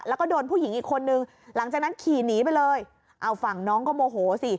แล้วก็โดนผู้หญิงอีกคนนึงหลังจากนั้นขี่หนีไปเลยเอาฝั่งน้องก็โมโหสิ